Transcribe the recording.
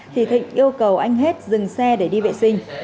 thì thịnh yêu cầu anh hết dừng xe để đi vệ sinh